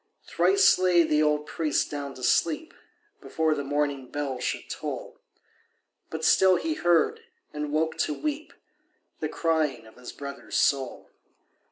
Thrice lay the old priest down to sleep Before the morning bell should toll; But still he heard—and woke to weep— The crying of his brother's soul.